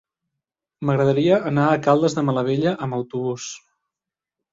M'agradaria anar a Caldes de Malavella amb autobús.